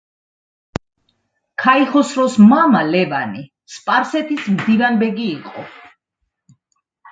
ქაიხოსროს მამა ლევანი სპარსეთის მდივანბეგი იყო.